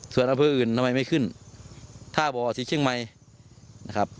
ส่วนอำเภออื่นทำไมไม่ขึ้นท่าบ่อที่เชียงใหม่นะครับ